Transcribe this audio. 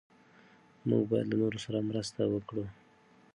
موږ باید له نورو سره مرسته وکړو.